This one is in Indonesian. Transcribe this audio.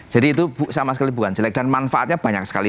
jadi itu sama sekali bukan jelek dan manfaatnya banyak sekali